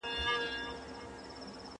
¬ و خوره هم خوړل دي، ونغره هم خوړل دي.